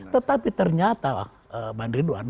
tetapi ternyata bang ridwan